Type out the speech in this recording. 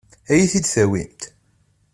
Ad iyi-t-id-tawimt?